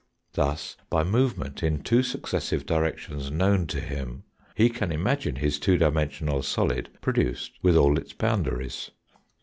Thus, by move ment in two successive directions known to him, he can imagine his two dimensional solid produced with all its boundaries.